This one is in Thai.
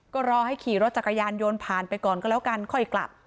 ก็รอให้ขี่รถจักรยานยนต์ผ่านไปก่อนก็แล้วกันค่อยกลับ